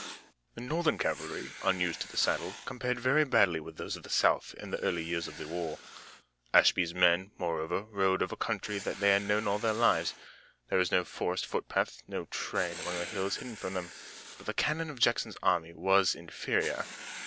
The Northern cavalry, unused to the saddle, compared very badly with those of the South in the early years of the war. Ashby's men, moreover, rode over country that they had known all their lives. There was no forest footpath, no train among the hills hidden from them. But the cannon of Jackson's army was inferior.